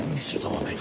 はい。